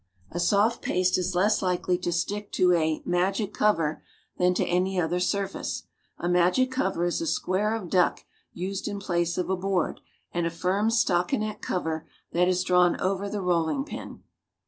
A soft paste is less likely to stick to a "magic cover" than to any other surface. A magic cover is a square of duck used in place of a board and a firm stockinet cover that is drawn over the rolling pin.